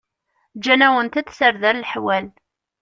Gǧan-awent-d tarda leḥwal.